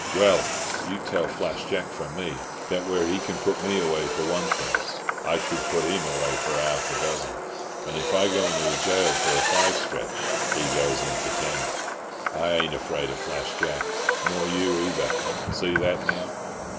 Well, you tell Flash Jack from me that where he can put me away for one thing I can put him away for half a dozen; and if I go into gaol for a five stretch he goes in for ten. I ain't afraid of Flash Jack, nor you either. See that, now!"